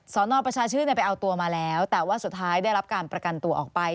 นประชาชื่นไปเอาตัวมาแล้วแต่ว่าสุดท้ายได้รับการประกันตัวออกไป